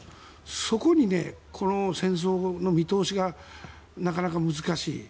そこにこの戦争の見通しがなかなか難しい。